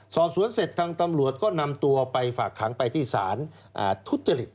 สอบสวนเสร็จทางตำรวจก็นำตัวไปฝากขังไปที่ศาลทุจริต